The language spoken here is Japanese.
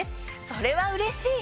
それはうれしい！